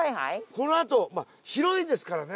このあとまあ広いですからね。